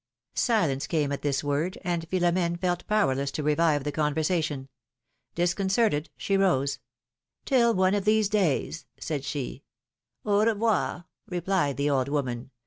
Silence came at this word, and Philomene felt powerless to revive the conversation. Disconcerted, she rose. Till one of these days,'^ said she. revoir,^^ replied the old woman.